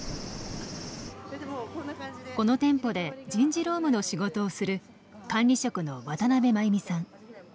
この店舗で人事労務の仕事をする管理職の渡邊真由美さん。